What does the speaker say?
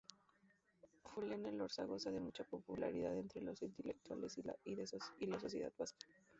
Julián Elorza goza de mucha popularidad entre los intelectuales y la sociedad vasca.